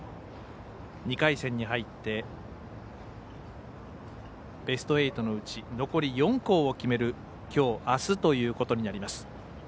２回戦に入って、ベスト８のうち残り４校を決めるきょう、あすということになります。